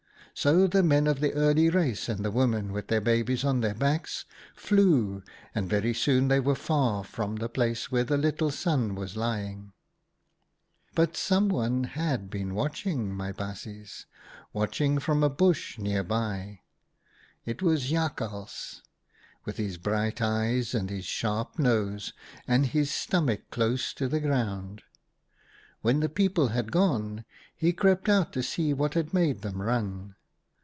So the Men of the Early Race, and the women with their babies on their backs, flew, and very soon they were far from the place where the little Sun was lying. 11 But someone had been watching, my baasjes, watching from a bush near by. It 82 OUTA KARELS STORIES was Jakhals, with his bright eyes and his sharp nose, and his stomach close to the ground. When the people had gone, he crept out to see what had made them run.